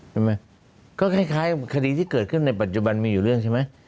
ใช่ไหมก็คล้ายคดีที่เกิดขึ้นในปัจจุบันมีอยู่เรื่องใช่ไหม